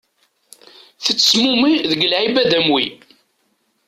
Tettesmumi deg lɛibad am wi.